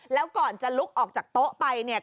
แล้วก่อนจะลุกออกจากโต๊ะไปเนี่ย